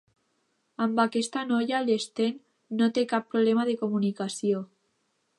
Amb aquesta noia l'Sten no té cap problema de comunicació.